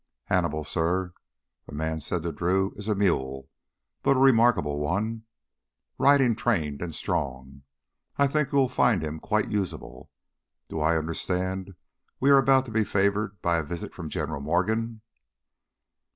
"Hannibal, suh," the man said to Drew, "is a mule, but a remarkable one, riding trained and strong. I think you will find him quite usable. Do I understand we are about to be favored by a visit from General Morgan?"